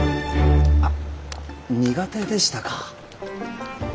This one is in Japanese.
あ苦手でしたか。